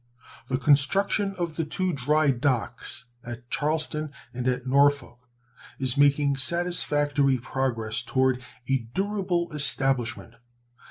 The construction of the two dry docks at Charlestown and at Norfolk is making satisfactory progress toward a durable establishment.